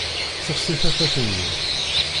Sexsi tafat-nni!